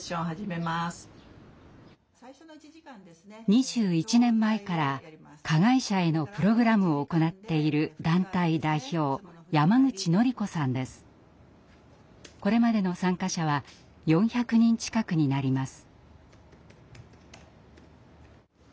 ２１年前から加害者へのプログラムを行っているこれまでの参加者は４００人近くになります。